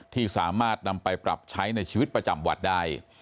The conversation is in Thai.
ที่สามารถนำไปปรับใช้ในชีวิตประจำวัดได้